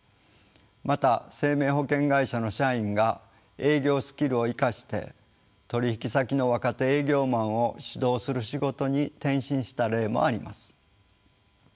また生命保険会社の社員が営業スキルを生かして取引先の若手営業マンを指導する仕事に転身した例もあります。